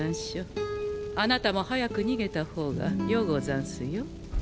あなたも早く逃げた方がようござんすよ。